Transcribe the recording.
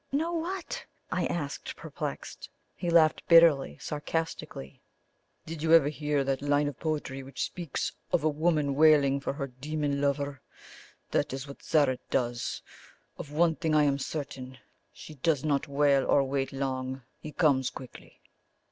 "Know what?" I asked, perplexed. He laughed bitterly, sarcastically. "Did you ever hear that line of poetry which speaks of 'A woman wailing for her demon lover'? That is what Zara does. Of one thing I am certain she does not wail or wait long; he comes quickly."